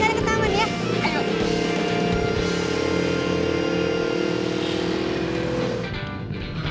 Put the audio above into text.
ya udah sekarang ke taman ya